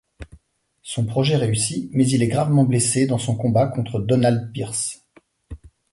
Son projet réussit mais il est gravement blessé dans son combat contre Donald Pierce.